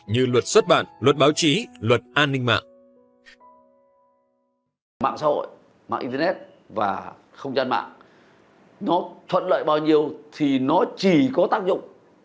như luật xuất bản luật báo chí luật an ninh mạng